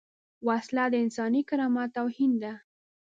وسله د انساني کرامت توهین ده